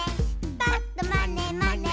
「ぱっとまねまね」